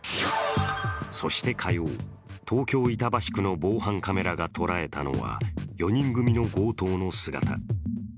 そして火曜、東京・板橋区の防犯カメラがとらえたのは４人組の強盗の姿。